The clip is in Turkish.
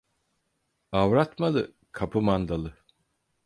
Avrat malı, kapı mandalı.